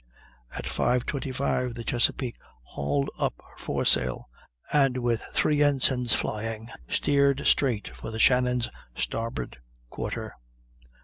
At 5.25 the Chesapeake hauled up her foresail, and, with three ensigns flying, steered straight for the Shannon's starboard quarter.